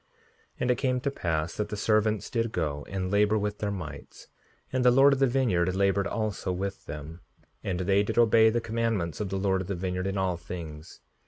5:72 And it came to pass that the servants did go and labor with their mights; and the Lord of the vineyard labored also with them; and they did obey the commandments of the Lord of the vineyard in all things.